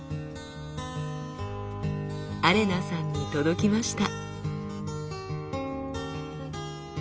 アレナさんに届きました。